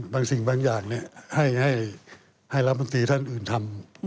บางสิ่งบางอย่างให้รัฐมนตรีท่านอื่นทำ